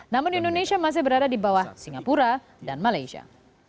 namun indonesia masih berada di bawah singapura dan malaysia